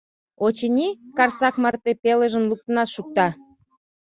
Очыни, Карсак марте пелыжым луктынат шукта.